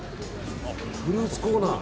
フルーツコーナー。